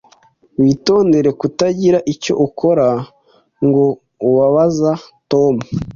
Witondere kutagira icyo ukora ngo ubabaza Tom.